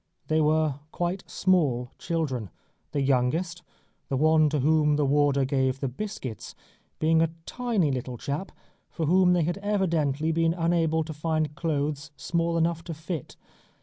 They were quite small children, the youngest the one to whom the warder gave the biscuits being a tiny little chap, for whom they had evidently been unable to find clothes small enough to fit.